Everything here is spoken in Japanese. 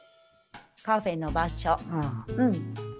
カフェの場所。